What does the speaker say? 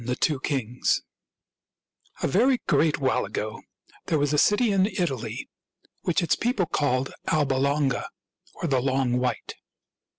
THE TWO KINGS A very great while ago there was a city in Italy which its people called Alba Longa, or the Long White.